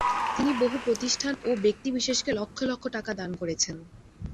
তিনি বহু প্রতিষ্ঠান এবং ব্যক্তিবিশেষকে লক্ষ লক্ষ টাকা দান করেছেন।